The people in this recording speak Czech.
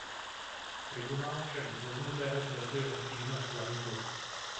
Tribunál však v březnu téhož roku jeho stížnost zamítl.